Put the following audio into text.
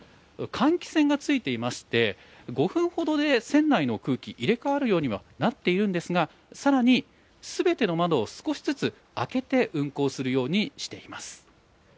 換気扇がついていまして、５分ほどで船内の空気、入れ代わるようにはなっているんですが、さらにすべての窓を少しずつ開けて運航するようにしています。